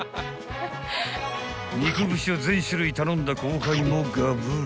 ［肉串を全種類頼んだ後輩もガブリ］